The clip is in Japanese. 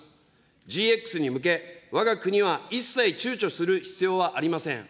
ＧＸに向け、わが国は一切ちゅうちょする必要はありません。